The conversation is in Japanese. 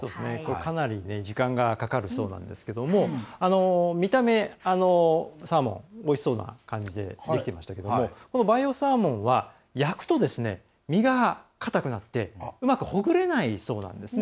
かなり時間がかかりそうなんですけれども見た目、サーモンおいしそうな感じでできてましたけど培養サーモンは焼くと身が固くなってうまくほぐれないそうなんですね。